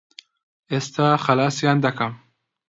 ئێستا خەلاسیان دەکەم.